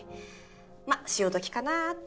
まぁ潮時かなぁって。